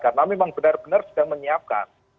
karena memang benar benar sedang menyiapkan